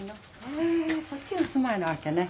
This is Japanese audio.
へえこっちが住まいなわけね。